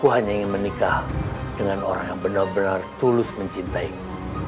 aku hanya ingin menikah dengan orang yang benar benar tulus mencintaimu